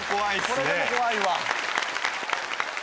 これでも怖いわ。